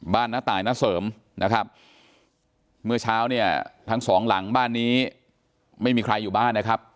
น้าตายณเสริมนะครับเมื่อเช้าเนี่ยทั้งสองหลังบ้านนี้ไม่มีใครอยู่บ้านนะครับ